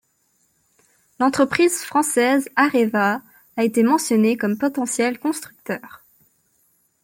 L'entreprise française Areva a été mentionné comme potentiel constructeur.